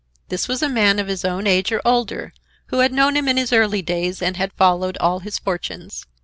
This was a man of his own age or older, who had known him in his early days, and had followed all his fortunes.